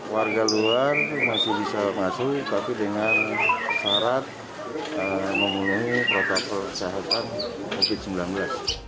warga luar masih bisa masuk tapi dengan syarat memenuhi protokol kesehatan covid sembilan belas